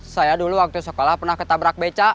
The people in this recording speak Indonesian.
saya dulu waktu sekolah pernah ketabrak beca